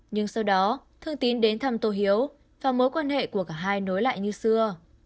nhưng sau đó thương tín đến thăm tô hiếu và mối quan hệ của cả hai nối lại như xưa